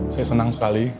saya senang sekali